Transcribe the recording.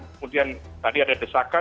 kemudian tadi ada desakan